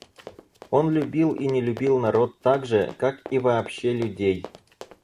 Он любил и не любил народ так же, как и вообще людей.